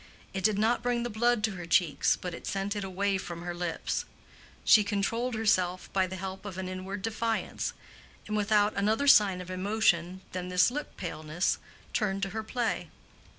It did not bring the blood to her cheeks, but it sent it away from her lips. She controlled herself by the help of an inward defiance, and without other sign of emotion than this lip paleness turned to her play.